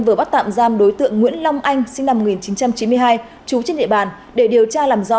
vừa bắt tạm giam đối tượng nguyễn long anh sinh năm một nghìn chín trăm chín mươi hai trú trên địa bàn để điều tra làm rõ